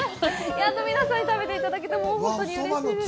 やっと皆さんに食べていただけて本当にうれしいです。